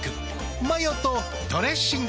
マヨとドレッシングで。